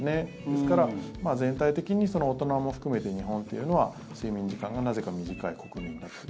ですから全体的に大人も含めて日本というのは睡眠時間がなぜか短い国民だと。